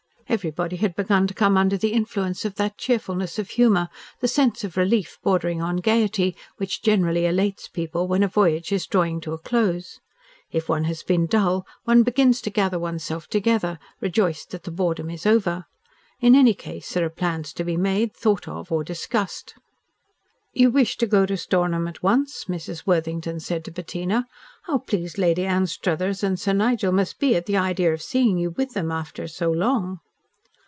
Everybody had begun to come under the influence of that cheerfulness of humour, the sense of relief bordering on gaiety, which generally elates people when a voyage is drawing to a close. If one has been dull, one begins to gather one's self together, rejoiced that the boredom is over. In any case, there are plans to be made, thought of, or discussed. "You wish to go to Stornham at once?" Mrs. Worthington said to Bettina. "How pleased Lady Anstruthers and Sir Nigel must be at the idea of seeing you with them after so long."